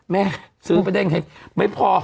แม่ซื้อไปได้ยังไงไม่พอ